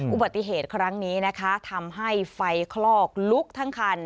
อุบัติเหตุครั้งนี้นะคะทำให้ไฟคลอกลุกทั้งคัน